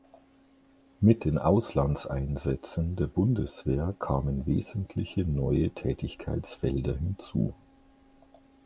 Mit den Auslandseinsätzen der Bundeswehr kamen wesentliche neue Tätigkeitsfelder hinzu.